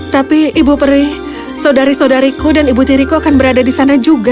tapi ibu peri saudari saudariku dan ibu tiriku akan berada di sana juga